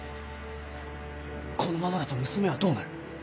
このままだと娘はどうなる？